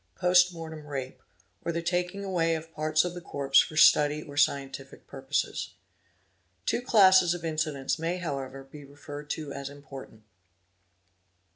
post mortem rape, or the taking away of parts of the corpse for study or scientific purposes. Two classes of mcidents may however be referred to as importa at.